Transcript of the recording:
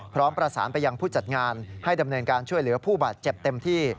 พร้อมประสานไปยังผู้จัดงานให้ดำเนินการช่วยเหลือผู้บาดเจ็บเต็มที่